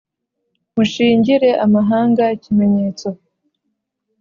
Mushingire amahanga ikimenyetso